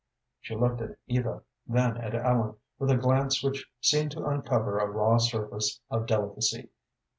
She looked at Eva, then at Ellen, with a glance which seemed to uncover a raw surface of delicacy.